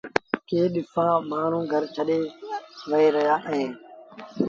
ڪيٚ ڏسآݩ مآڻهوٚݩ گھر ڇڏي وهي رهيآ اهيݩ